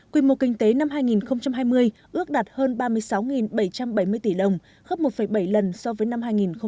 quy mô kinh tế năm hai nghìn hai mươi ước đạt hơn ba mươi sáu bảy trăm bảy mươi tỷ đồng khớp một bảy lần so với năm hai nghìn một mươi năm